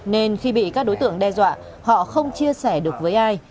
nên khi bị các đối tượng đe dọa họ không chia sẻ được với ai